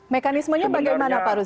mekanisme bagaimana pak rusdy